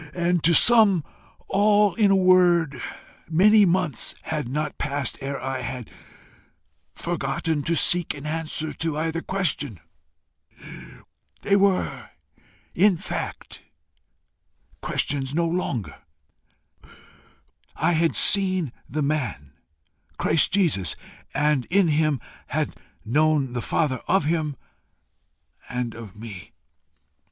And, to sum all in a word, many months had not passed ere I had forgotten to seek an answer to either question: they were in fact questions no longer: I had seen the man Christ Jesus, and in him had known the Father of him and of me.